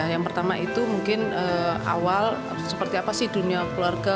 yang pertama itu mungkin awal seperti apa sih dunia keluarga